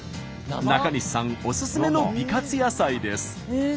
中西さんおすすめの美活野菜です。